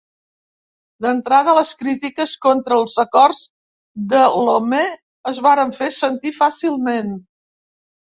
D'entrada, les crítiques contra els acords de Lomé es varen fer sentir fàcilment.